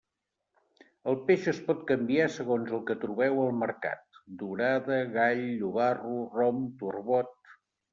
El peix es pot canviar segons el que trobeu al mercat: dorada, gall, llobarro, rom, turbot.